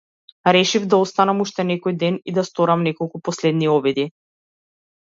Решив да останам уште некој ден и да сторам неколку последни обиди.